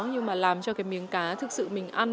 nhưng mà làm cho cái miếng cá thực sự mình ăn